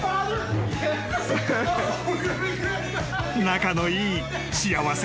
［仲のいい］